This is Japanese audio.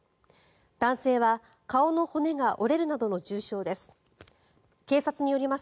男性は顔の骨が折れるなどの重傷です。